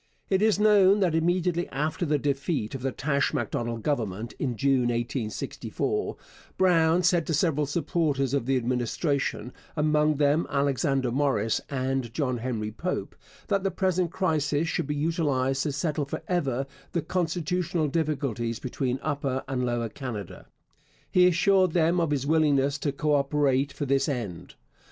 It is known that immediately after the defeat of the Taché Macdonald government in June 1864, Brown said to several supporters of the Administration, among them Alexander Morris and John Henry Pope, that the present crisis should be utilized to settle for ever the constitutional difficulties between Upper and Lower Canada. He assured them of his willingness to co operate for this end.